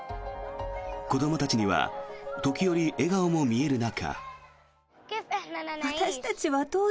子どもたちには時折、笑顔も見える中。